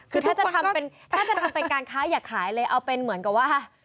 คือถ้าจะทำเป็นถ้าจะทำเป็นการค้าอย่าขายเลยเอาเป็นเหมือนกับว่า